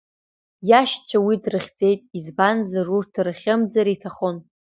Иашьцәа уи дрыхьӡеит, избанзар, урҭ дырхьымӡар иҭахон.